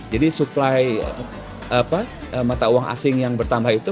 jadi supply mata uang asing yang bertambah itu